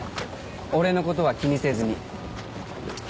俺のことは気にせずに。